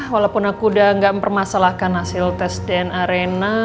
walaupun aku udah gak mempermasalahkan hasil tes dna arena